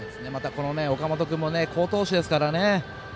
岡本君も好投手ですからね。